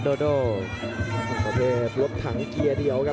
ทุกคนค่ะ